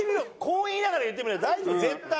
こう言いながら言ってみれば大丈夫絶対。